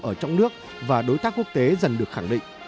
ở trong nước và đối tác quốc tế dần được khẳng định